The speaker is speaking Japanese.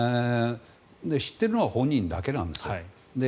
知っているのは本人だけなんですよ。